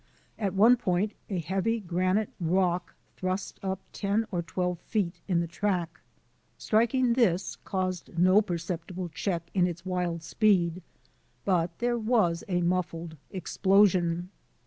At one point a heavy granite rock thrust up ten or twelve feet in the track. Striking this caused no perceptible check in its wild speed but there was a muffled explosion.